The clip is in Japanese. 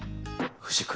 藤君